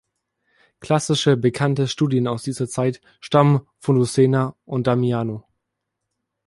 Klassische bekannte Studien aus dieser Zeit stammen von Lucena und Damiano.